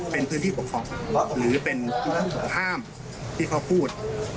เป็นพื้นที่ปกครองหรือเป็นผู้ห้ามที่เขาพูด